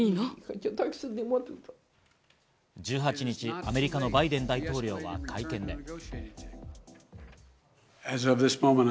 １８日、アメリカのバイデン大統領は会見で。